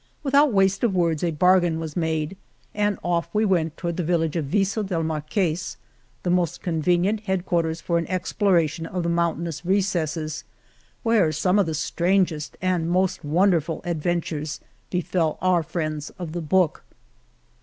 Without waste of words a bargain was made and off we went toward the village of Viso del Marques, the most convenient head quarters for an exploration of the mountain ous recesses, where some of the strangest and most wonderful adventures befell our friends of the Book.